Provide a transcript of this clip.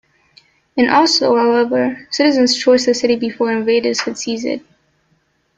In Oslo, however, citizens torched the city before invaders could seize it.